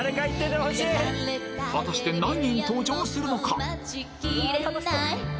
果たして何人登場するのか？